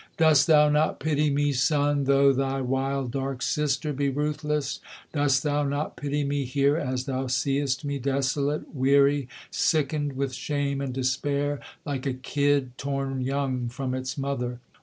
'Dost thou not pity me, Sun, though thy wild dark sister be ruthless; Dost thou not pity me here, as thou seest me desolate, weary, Sickened with shame and despair, like a kid torn young from its mother?